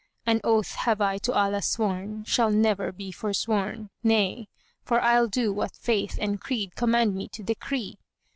An oath have I to Allah sworn shall never be forsworn; * Nay, for I'll do what Faith and Creed command me to decree.